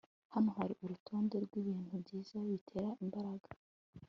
Hano hari urutonde rwibintu byiza bitera imbaraga